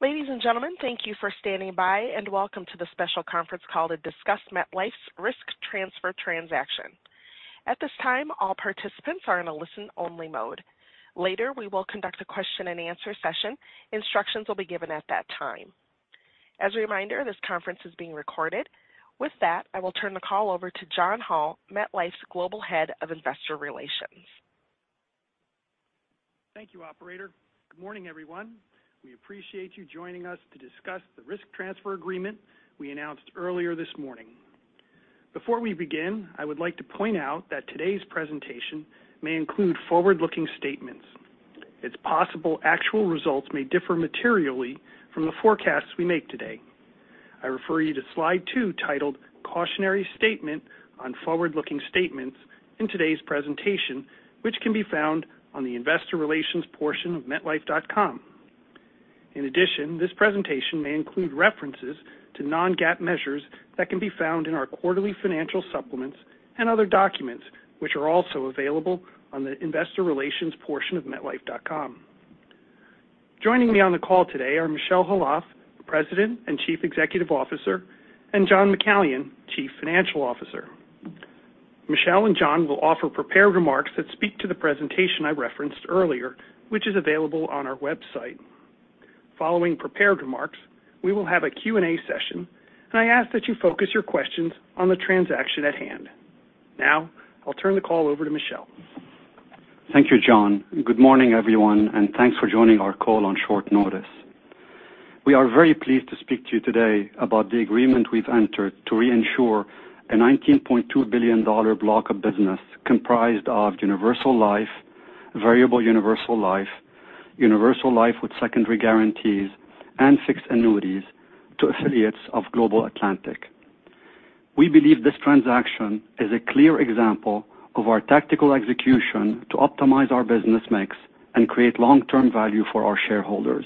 Ladies and gentlemen, thank you for standing by, and welcome to the special conference called to discuss MetLife's risk transfer transaction. At this time, all participants are in a listen-only mode. Later, we will conduct a question-and-answer session. Instructions will be given at that time. As a reminder, this conference is being recorded. With that, I will turn the call over to John Hall, MetLife's Global Head of Investor Relations. Thank you, operator. Good morning, everyone. We appreciate you joining us to discuss the risk transfer agreement we announced earlier this morning. Before we begin, I would like to point out that today's presentation may include forward-looking statements. It's possible actual results may differ materially from the forecasts we make today. I refer you to Slide 2, titled Cautionary Statement on Forward-Looking Statements in today's presentation, which can be found on the investor relations portion of metlife.com. In addition, this presentation may include references to non-GAAP measures that can be found in our quarterly financial supplements and other documents, which are also available on the investor relations portion of metlife.com. Joining me on the call today are Michel Khalaf, President and Chief Executive Officer, and John McCallion, Chief Financial Officer. Michel and John will offer prepared remarks that speak to the presentation I referenced earlier, which is available on our website. Following prepared remarks, we will have a Q&A session, and I ask that you focus your questions on the transaction at hand. I'll turn the call over to Michel. Thank you, John. Good morning, everyone. Thanks for joining our call on short notice. We are very pleased to speak to you today about the agreement we've entered to reinsure a $19.2 billion block of business comprised of universal life, variable universal life, universal life with secondary guarantees, and fixed annuities to affiliates of Global Atlantic. We believe this transaction is a clear example of our tactical execution to optimize our business mix and create long-term value for our shareholders.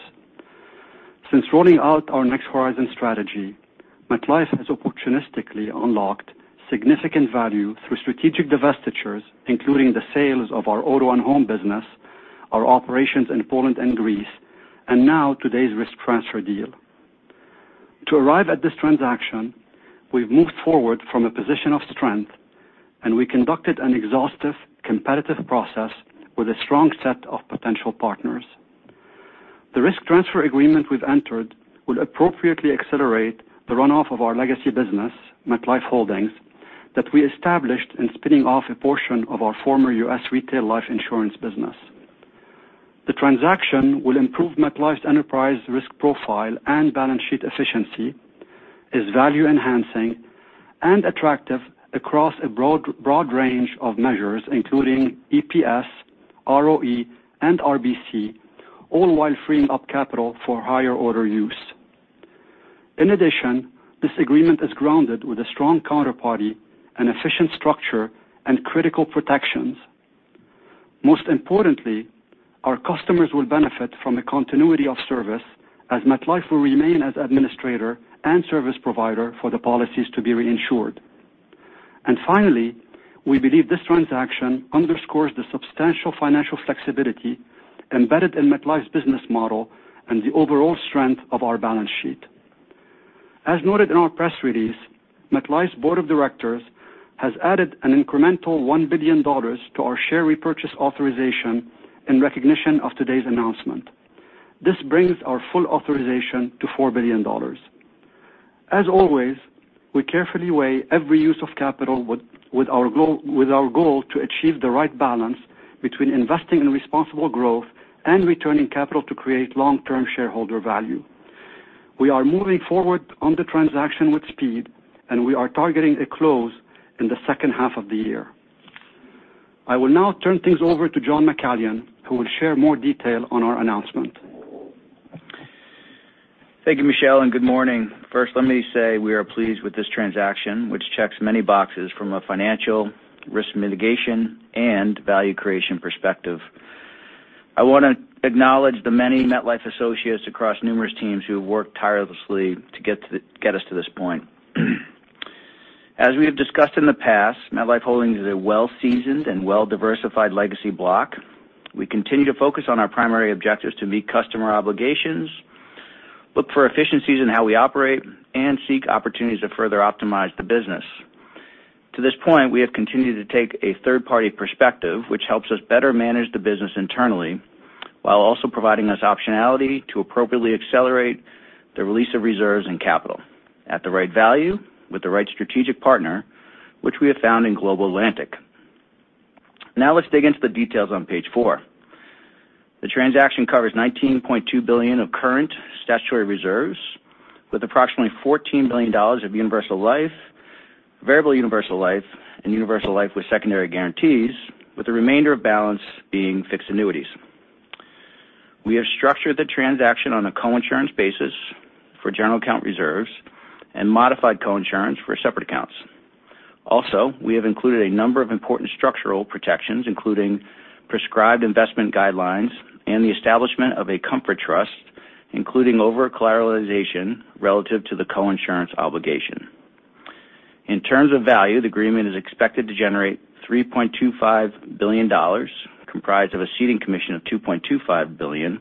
Since rolling out our Next Horizon strategy, MetLife has opportunistically unlocked significant value through strategic divestitures, including the sales of our auto and home business, our operations in Poland and Greece, and now today's risk transfer deal. To arrive at this transaction, we've moved forward from a position of strength. We conducted an exhaustive competitive process with a strong set of potential partners. The risk transfer agreement we've entered will appropriately accelerate the runoff of our legacy business, MetLife Holdings, that we established in spinning off a portion of our former U.S. retail life insurance business. The transaction will improve MetLife's enterprise risk profile and balance sheet efficiency, is value-enhancing and attractive across a broad range of measures, including EPS, ROE, and RBC, all while freeing up capital for higher order use. In addition, this agreement is grounded with a strong counterparty and efficient structure and critical protections. Most importantly, our customers will benefit from a continuity of service as MetLife will remain as administrator and service provider for the policies to be reinsured. Finally, we believe this transaction underscores the substantial financial flexibility embedded in MetLife's business model and the overall strength of our balance sheet. As noted in our press release, MetLife's board of directors has added an incremental $1 billion to our share repurchase authorization in recognition of today's announcement. This brings our full authorization to $4 billion. As always, we carefully weigh every use of capital with our goal to achieve the right balance between investing in responsible growth and returning capital to create long-term shareholder value. We are moving forward on the transaction with speed, and we are targeting a close in the second half of the year. I will now turn things over to John McCallion, who will share more detail on our announcement. Thank you, Michel, and good morning. First, let me say we are pleased with this transaction, which checks many boxes from a financial risk mitigation and value creation perspective. I want to acknowledge the many MetLife associates across numerous teams who have worked tirelessly to get us to this point. As we have discussed in the past, MetLife Holdings is a well-seasoned and well-diversified legacy block. We continue to focus on our primary objectives to meet customer obligations, look for efficiencies in how we operate, and seek opportunities to further optimize the business. To this point, we have continued to take a third-party perspective, which helps us better manage the business internally while also providing us optionality to appropriately accelerate the release of reserves and capital at the right value with the right strategic partner, which we have found in Global Atlantic. Now let's dig into the details on page four. The transaction covers 19.2 billion of current statutory reserves with approximately $14 billion of universal life, variable universal life, and universal life with secondary guarantees, with the remainder of balance being fixed annuities. We have structured the transaction on a coinsurance basis for general account reserves and modified coinsurance for separate accounts. We have included a number of important structural protections, including prescribed investment guidelines and the establishment of a comfort trust, including over-collateralization relative to the coinsurance obligation. In terms of value, the agreement is expected to generate $3.25 billion, comprised of a ceding commission of $2.25 billion,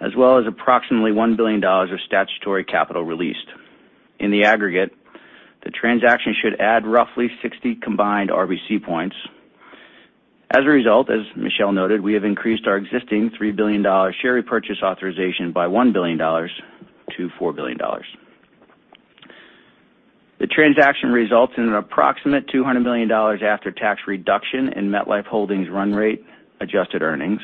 as well as approximately $1 billion of statutory capital released. In the aggregate, the transaction should add roughly 60 combined RBC points. As a result, as Michel noted, we have increased our existing $3 billion share repurchase authorization by $1 billion to $4 billion. The transaction results in an approximate $200 million after-tax reduction in MetLife Holdings run rate adjusted earnings.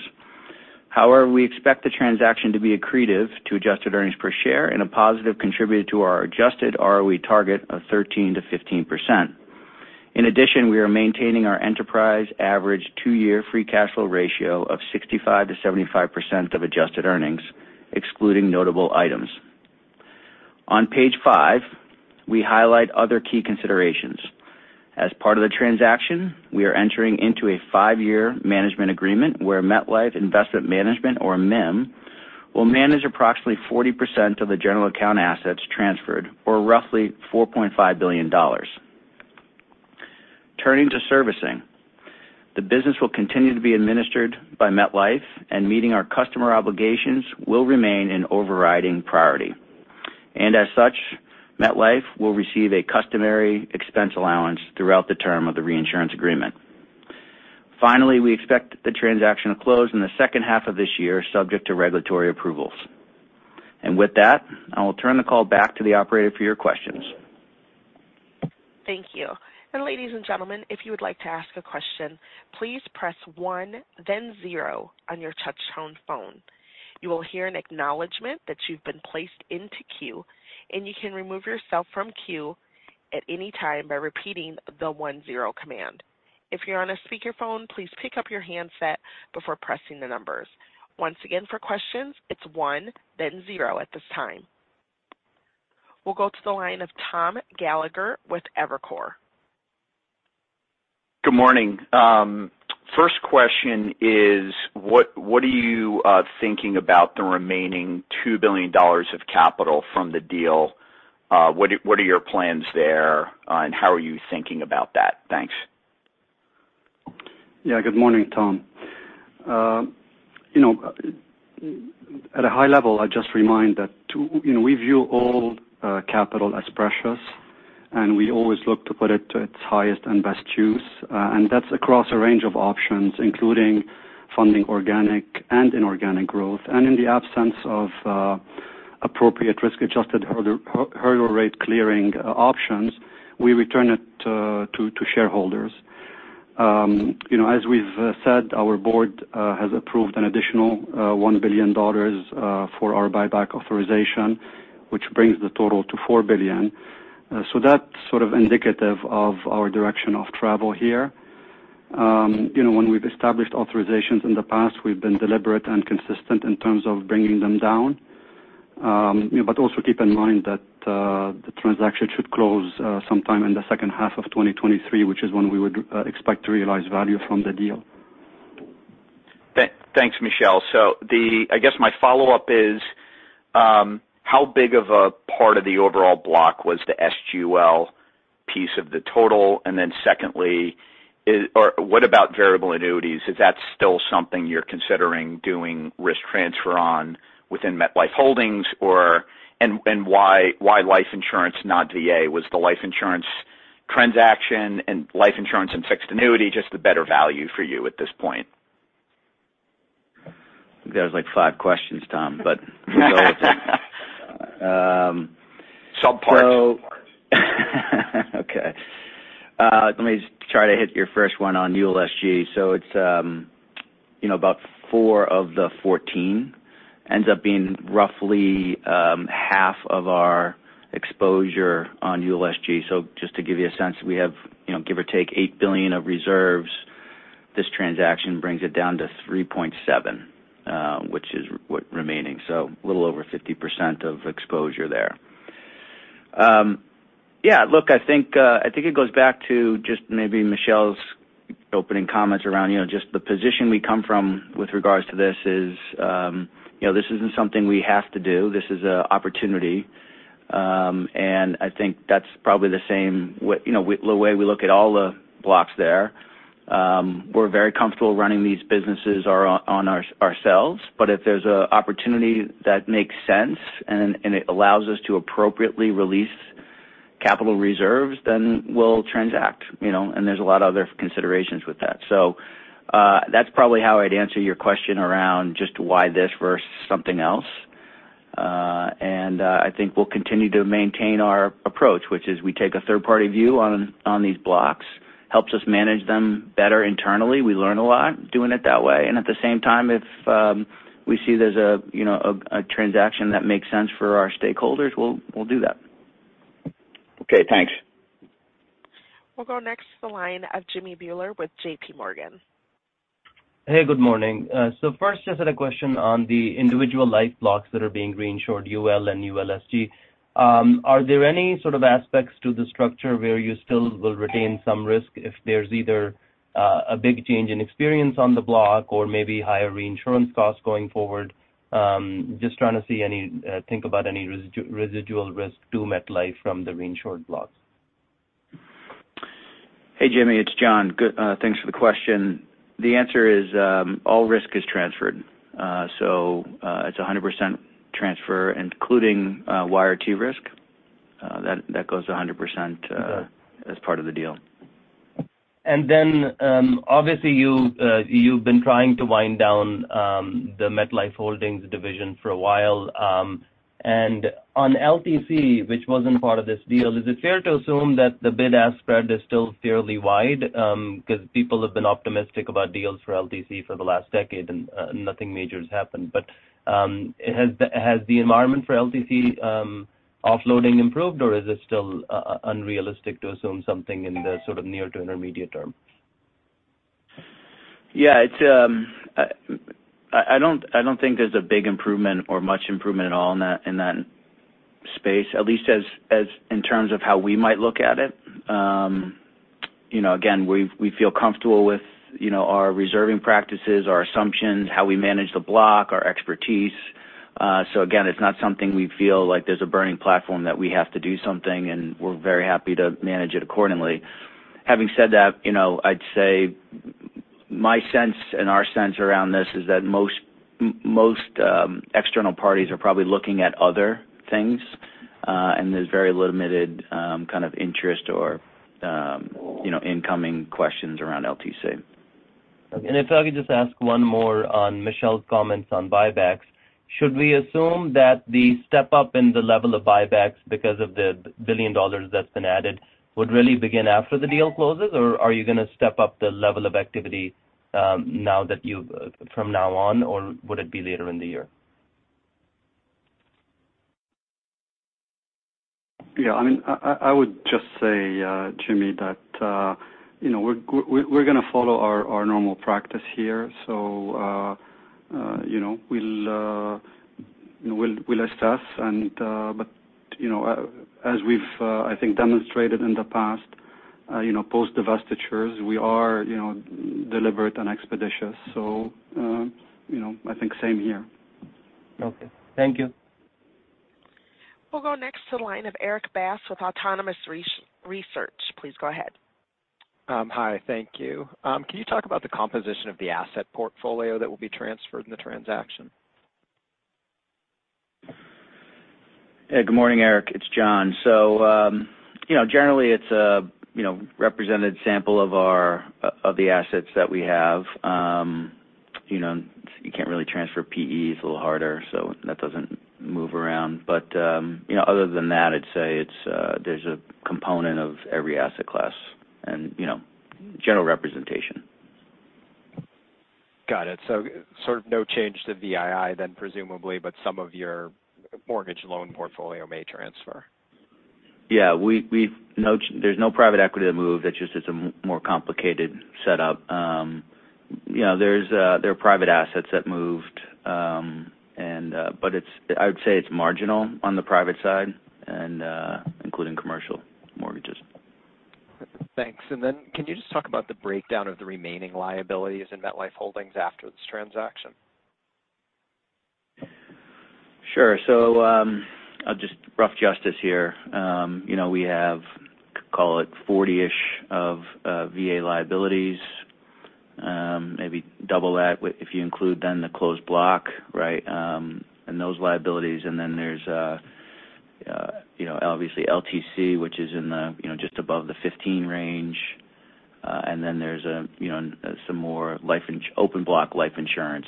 However, we expect the transaction to be accretive to adjusted earnings per share and a positive contributor to our adjusted ROE target of 13%-15%. In addition, we are maintaining our enterprise average two-year free cash flow ratio of 65%-75% of adjusted earnings, excluding notable items. On page five, we highlight other key considerations. As part of the transaction, we are entering into a five-year management agreement where MetLife Investment Management, or MIM, will manage approximately 40% of the general account assets transferred, or roughly $4.5 billion. Turning to servicing, the business will continue to be administered by MetLife, and meeting our customer obligations will remain an overriding priority. As such, MetLife will receive a customary expense allowance throughout the term of the reinsurance agreement. Finally, we expect the transaction to close in the second half of this year, subject to regulatory approvals. With that, I will turn the call back to the operator for your questions. Thank you. Ladies and gentlemen, if you would like to ask a question, please press one then zero on your touch-tone phone. You will hear an acknowledgment that you've been placed into queue, and you can remove yourself from queue at any time by repeating the one-zero command. If you're on a speakerphone, please pick up your handset before pressing the numbers. Once again, for questions, it's one then zero at this time. We'll go to the line of Tom Gallagher with Evercore. Good morning. First question is, what are you thinking about the remaining $2 billion of capital from the deal? What are your plans there, and how are you thinking about that? Thanks. Good morning, Tom. At a high level, I'd just remind that we view all capital as precious, and we always look to put it to its highest and best use, and that's across a range of options, including funding organic and inorganic growth. In the absence of appropriate risk-adjusted hurdle rate clearing options, we return it to shareholders. As we've said, our board has approved an additional $1 billion for our buyback authorization, which brings the total to $4 billion. That's sort of indicative of our direction of travel here. When we've established authorizations in the past, we've been deliberate and consistent in terms of bringing them down. Also keep in mind that the transaction should close sometime in the second half of 2023, which is when we would expect to realize value from the deal. Thanks, Michel. I guess my follow-up is, how big of a part of the overall block was the SG UL piece of the total? Secondly, what about variable annuities? Is that still something you're considering doing risk transfer on within MetLife Holdings? Why life insurance, not VA? Was the life insurance transaction and life insurance and fixed annuities just a better value for you at this point? There's like five questions, Tom, we'll go with it. Subparts. Okay. Let me just try to hit your first one on UL SG. It's about four of the 14. Ends up being roughly half of our exposure on UL SG. Just to give you a sense, we have, give or take, $8 billion of reserves. This transaction brings it down to 3.7, which is remaining. A little over 50% of exposure there. Yeah, look, I think it goes back to just maybe Michel's opening comments around just the position we come from with regards to this is, this isn't something we have to do. This is an opportunity. I think that's probably the same way we look at all the blocks there. We're very comfortable running these businesses ourselves. If there's an opportunity that makes sense and it allows us to appropriately release capital reserves, then we'll transact, and there's a lot of other considerations with that. That's probably how I'd answer your question around just why this versus something else. I think we'll continue to maintain our approach, which is we take a third-party view on these blocks. Helps us manage them better internally. We learn a lot doing it that way. At the same time, if we see there's a transaction that makes sense for our stakeholders, we'll do that. Okay, thanks. We'll go next to the line of Jimmy Bhullar with J.P. Morgan. Hey, good morning. First, just had a question on the individual life blocks that are being reinsured, UL and UL SG. Are there any sort of aspects to the structure where you still will retain some risk if there's either a big change in experience on the block or maybe higher reinsurance costs going forward? Just trying to think about any residual risk to MetLife from the reinsured blocks. Hey, Jimmy, it's John. Good. Thanks for the question. The answer is, all risk is transferred. It's 100% transfer, including YRT risk. That goes 100% as part of the deal. Obviously, you've been trying to wind down the MetLife Holdings division for a while. On LTC, which wasn't part of this deal, is it fair to assume that the bid-ask spread is still fairly wide? Because people have been optimistic about deals for LTC for the last decade, nothing major has happened. Has the environment for LTC offloading improved, or is it still unrealistic to assume something in the sort of near to intermediate term? I don't think there's a big improvement or much improvement at all in that space, at least in terms of how we might look at it. Again, we feel comfortable with our reserving practices, our assumptions, how we manage the block, our expertise. Again, it's not something we feel like there's a burning platform that we have to do something, and we're very happy to manage it accordingly. Having said that, I'd say my sense and our sense around this is that most external parties are probably looking at other things, and there's very limited kind of interest or incoming questions around LTC. Okay. If I could just ask one more on Michel's comments on buybacks. Should we assume that the step-up in the level of buybacks, because of the $1 billion that's been added, would really begin after the deal closes? Or are you going to step up the level of activity from now on, or would it be later in the year? Yeah. I would just say, Jimmy, that we're going to follow our normal practice here. We'll assess, but as we've, I think, demonstrated in the past, post-divestitures, we are deliberate and expeditious. I think same here. Okay. Thank you. We'll go next to the line of Erik Bass with Autonomous Research. Please go ahead. Hi. Thank you. Can you talk about the composition of the asset portfolio that will be transferred in the transaction? Good morning, Erik. It's John. Generally, it's a represented sample of the assets that we have. You can't really transfer PEs, a little harder, so that doesn't move around. Other than that, I'd say there's a component of every asset class and general representation. Got it. Sort of no change to VII then, presumably, but some of your mortgage loan portfolio may transfer. Yeah. There's no Private Equity that moved. It's just it's a more complicated setup. There are private assets that moved, but I would say it's marginal on the private side, including commercial mortgages. Thanks. Can you just talk about the breakdown of the remaining liabilities in MetLife Holdings after this transaction? Sure. I'll just rough justice here. We have, call it, 40-ish of VA liabilities. Maybe double that if you include then the closed block, right? Those liabilities, then there's obviously LTC, which is just above the 15 range. Then there's some more open block life insurance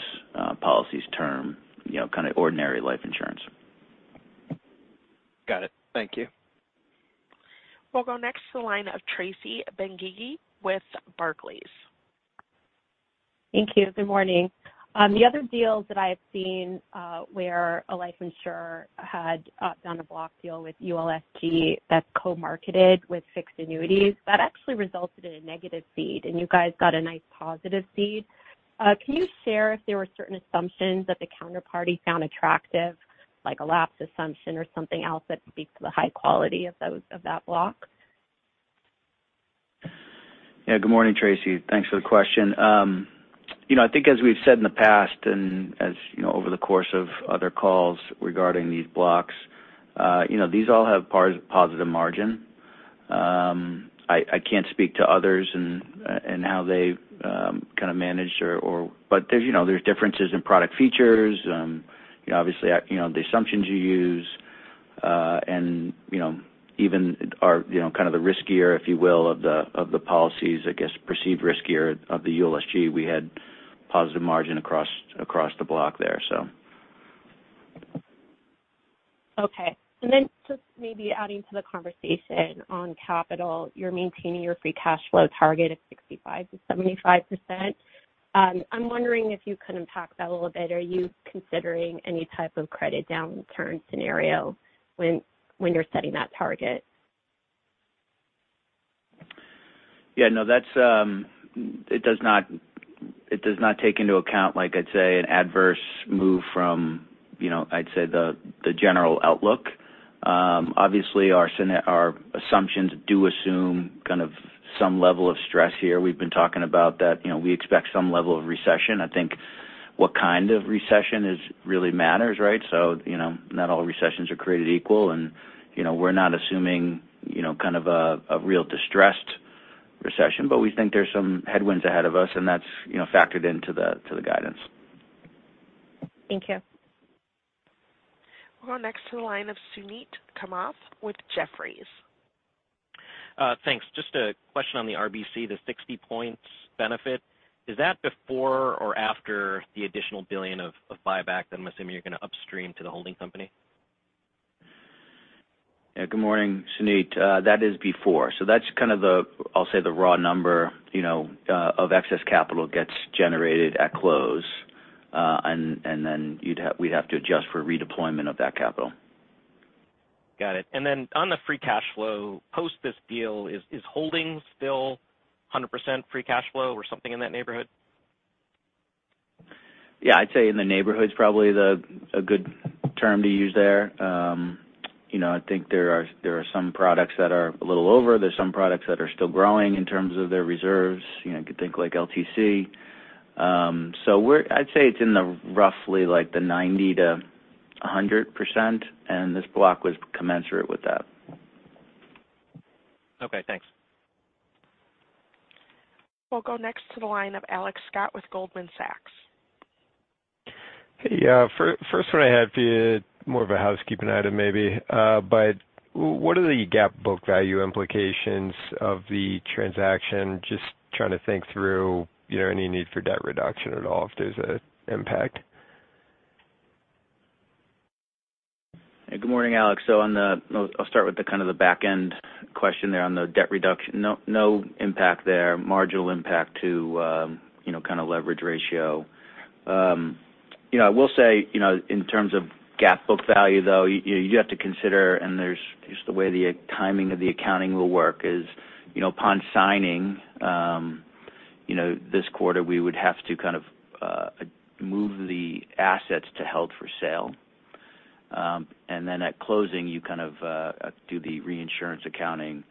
policies term, kind of ordinary life insurance. Got it. Thank you. We'll go next to the line of Tracy Dolin-Benguigui with Barclays. Thank you. Good morning. The other deals that I have seen where a life insurer had done a block deal with ULSG that co-marketed with fixed annuities, that actually resulted in a negative cede, and you guys got a nice positive cede. Can you share if there were certain assumptions that the counterparty found attractive, like a lapse assumption or something else that speaks to the high quality of that block? Good morning, Tracy. Thanks for the question. I think as we've said in the past and over the course of other calls regarding these blocks, these all have positive margin. I can't speak to others and how they've kind of managed. But there's differences in product features. Obviously, the assumptions you use, and even kind of the riskier, if you will, of the policies, I guess, perceived riskier of the ULSG. We had positive margin across the block there. Then just maybe adding to the conversation on capital, you're maintaining your free cash flow target of 65%-75%. I'm wondering if you could unpack that a little bit. Are you considering any type of credit downturn scenario when you're setting that target? It does not take into account, like I'd say, an adverse move from the general outlook. Obviously, our assumptions do assume kind of some level of stress here. We've been talking about that we expect some level of recession. I think what kind of recession really matters, right? Not all recessions are created equal, and we're not assuming kind of a real distressed recession, but we think there's some headwinds ahead of us, and that's factored into the guidance. Thank you. We'll go next to the line of Suneet Kamath with Jefferies. Thanks. Just a question on the RBC, the 60 points benefit. Is that before or after the additional $1 billion of buyback that I'm assuming you're going to upstream to the holding company? Yeah. Good morning, Suneet. That is before. That's kind of the, I'll say, the raw number of excess capital gets generated at close. Then we'd have to adjust for redeployment of that capital. Got it. Then on the free cash flow, post this deal, is Holdings still 100% free cash flow or something in that neighborhood? I'd say in the neighborhood's probably a good term to use there. I think there are some products that are a little over, there's some products that are still growing in terms of their reserves, you could think like LTC. I'd say it's in the roughly like the 90%-100%, and this block was commensurate with that. Okay, thanks. We'll go next to the line of Alex Scott with Goldman Sachs. Hey, first one I had for you, more of a housekeeping item maybe. What are the GAAP book value implications of the transaction? Just trying to think through any need for debt reduction at all, if there's a impact. Hey, good morning, Alex. I'll start with the kind of the back end question there on the debt reduction. No impact there. Marginal impact to kind of leverage ratio. I will say, in terms of GAAP book value, though, you have to consider, and there's just the way the timing of the accounting will work is, upon signing this quarter, we would have to kind of move the assets to held for sale. Then at closing, you kind of do the reinsurance accounting.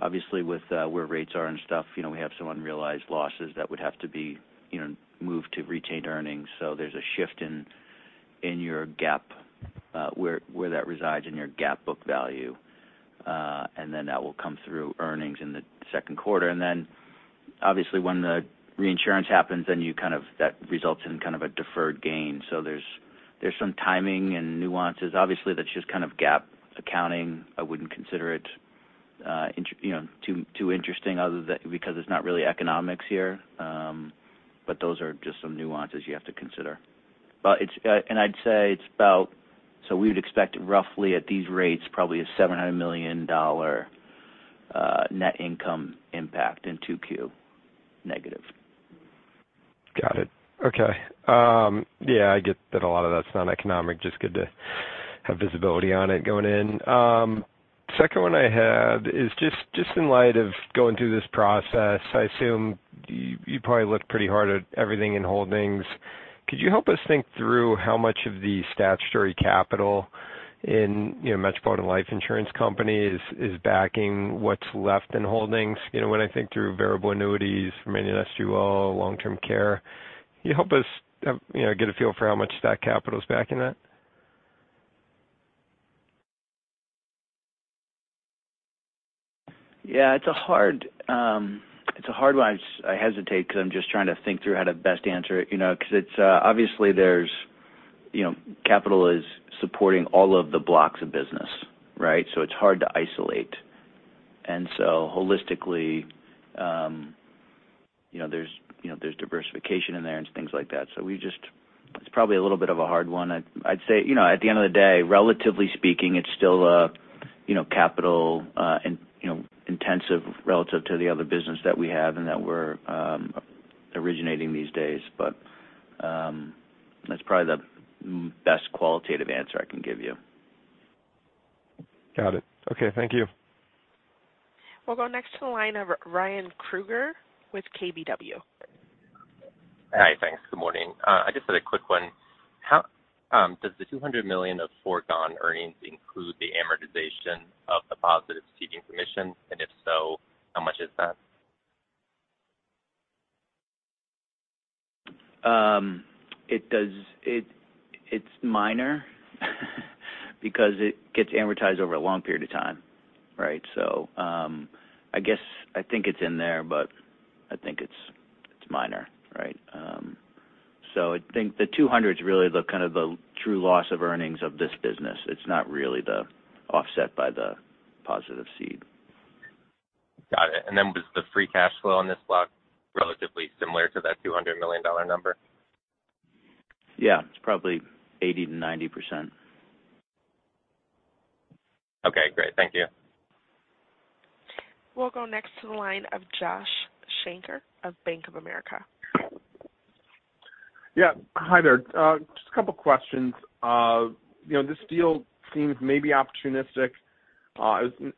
Obviously, with where rates are and stuff, we have some unrealized losses that would have to be moved to retained earnings. There's a shift in your GAAP, where that resides in your GAAP book value. Then that will come through earnings in the second quarter. Then obviously when the reinsurance happens, then that results in kind of a deferred gain. There's some timing and nuances. Obviously, that's just kind of GAAP accounting. I wouldn't consider it too interesting, other than because it's not really economics here. Those are just some nuances you have to consider. I'd say it's about, we would expect roughly at these rates, probably a $700 million net income impact in 2Q negative. Got it. Okay. I get that a lot of that's non-economic. Just good to have visibility on it going in. Second one I had is just in light of going through this process, I assume you probably looked pretty hard at everything in Holdings. Could you help us think through how much of the statutory capital in Metropolitan Life Insurance Company is backing what's left in Holdings? When I think through variable annuities, many of that's to all long-term care. Can you help us get a feel for how much that capital's backing that? It's a hard one. I hesitate because I'm just trying to think through how to best answer it. Obviously capital is supporting all of the blocks of business, right? It's hard to isolate. Holistically, there's diversification in there and things like that. It's probably a little bit of a hard one. I'd say, at the end of the day, relatively speaking, it's still capital-intensive relative to the other business that we have and that we're originating these days. That's probably the best qualitative answer I can give you. Got it. Okay. Thank you. We'll go next to the line of Ryan Krueger with KBW. Hi, thanks. Good morning. I just had a quick one. Does the $200 million of foregone earnings include the amortization of the positive ceding commission? If so, how much is that? It's minor because it gets amortized over a long period of time. Right? I guess I think it's in there, but I think it's minor. Right? I think the 200's really kind of the true loss of earnings of this business. It's not really the offset by the positive cede. Got it. Was the free cash flow on this block relatively similar to that $200 million number? Yeah, it's probably 80%-90%. Okay, great. Thank you. We'll go next to the line of Joshua Shanker of Bank of America. Yeah. Hi there. Just a couple questions. This deal seems maybe opportunistic,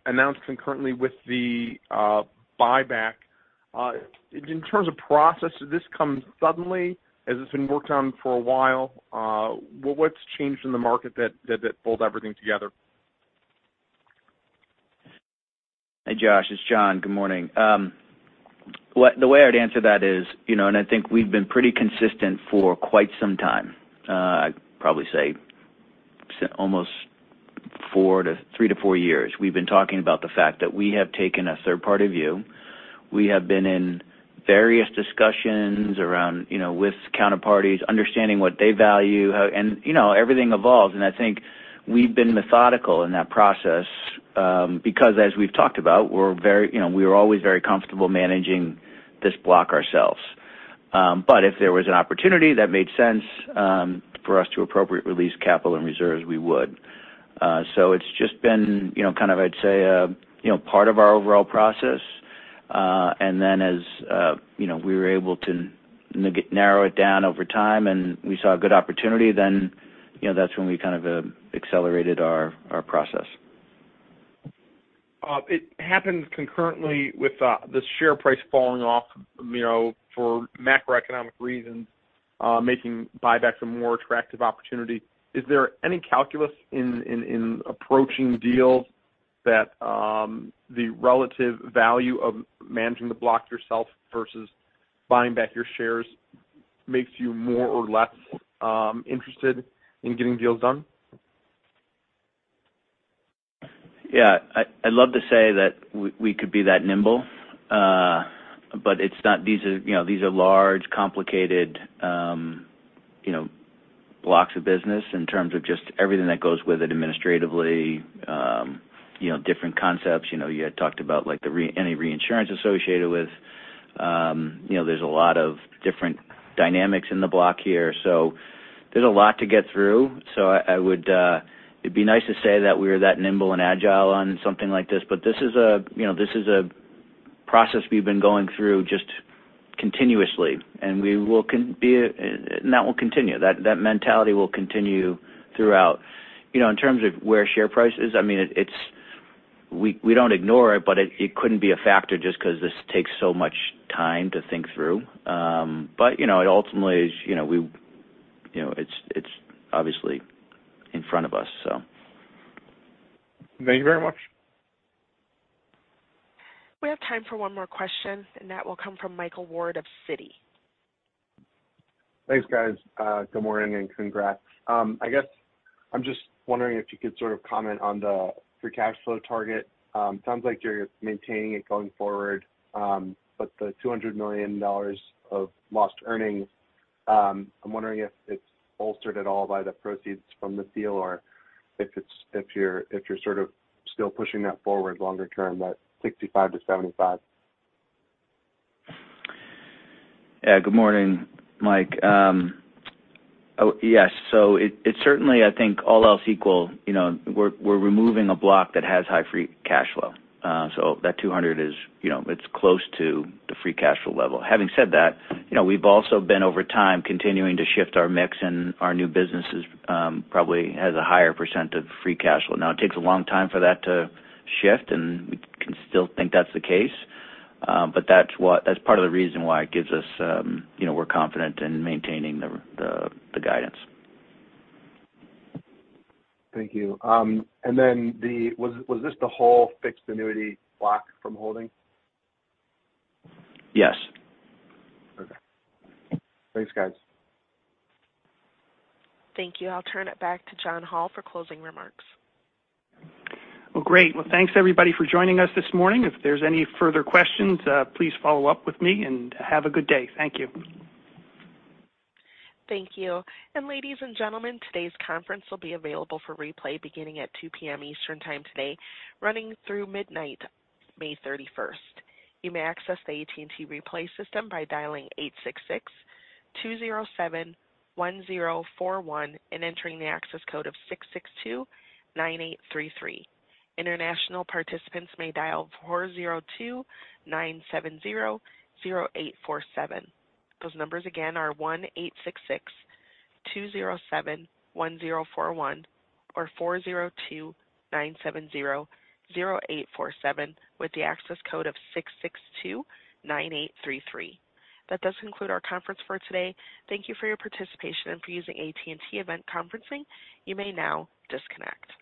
announced concurrently with the buyback. In terms of process, did this come suddenly? Has this been worked on for a while? What's changed in the market that pulled everything together? Hey, Josh, it's John. Good morning. The way I'd answer that is, I think we've been pretty consistent for quite some time. I'd probably say almost three to four years, we've been talking about the fact that we have taken a third-party view. We have been in various discussions around with counterparties, understanding what they value. Everything evolves, and I think we've been methodical in that process, because as we've talked about, we're always very comfortable managing this block ourselves. If there was an opportunity that made sense, for us to appropriately release capital and reserves, we would. It's just been, kind of, I'd say, part of our overall process. As we were able to narrow it down over time and we saw a good opportunity, then that's when we kind of accelerated our process. It happened concurrently with the share price falling off, for macroeconomic reasons, making buybacks a more attractive opportunity. Is there any calculus in approaching deals that the relative value of managing the block yourself versus buying back your shares makes you more or less interested in getting deals done? Yeah. I'd love to say that we could be that nimble. These are large, complicated blocks of business in terms of just everything that goes with it administratively, different concepts. You had talked about any reinsurance associated with. There's a lot of different dynamics in the block here, so there's a lot to get through. It'd be nice to say that we're that nimble and agile on something like this, but this is a process we've been going through just continuously, and that will continue. That mentality will continue throughout. In terms of where share price is, we don't ignore it, but it couldn't be a factor just because this takes so much time to think through. It ultimately is obviously in front of us. Thank you very much. We have time for one more question. That will come from Michael Ward of Citi. Thanks, guys. Good morning, and congrats. I guess I'm just wondering if you could sort of comment on the free cash flow target. Sounds like you're maintaining it going forward. The $200 million of lost earnings, I'm wondering if it's bolstered at all by the proceeds from the deal or if you're sort of still pushing that forward longer term, that $65-$75. Yeah. Good morning, Mike. Yes. It certainly, I think all else equal, we're removing a block that has high free cash flow. That $200 million, it's close to the free cash flow level. Having said that, we've also been, over time, continuing to shift our mix and our new businesses probably has a higher % of free cash flow. Now, it takes a long time for that to shift, we can still think that's the case. That's part of the reason why it gives us, we're confident in maintaining the guidance. Thank you. Was this the whole fixed annuity block from Holdings? Yes. Okay. Thanks, guys. Thank you. I'll turn it back to John Hall for closing remarks. Well, great. Well, thanks everybody for joining us this morning. If there's any further questions, please follow up with me, have a good day. Thank you. Thank you. Ladies and gentlemen, today's conference will be available for replay beginning at 2:00 P.M. Eastern time today, running through midnight, May 31st. You may access the AT&T replay system by dialing 866-207-1041 and entering the access code of 6629833. International participants may dial 402-970-0847. Those numbers again are 1-866-207-1041 or 402-970-0847 with the access code of 6629833. That does conclude our conference for today. Thank you for your participation and for using AT&T event conferencing. You may now disconnect.